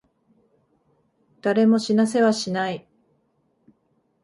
誰も死なせはしない。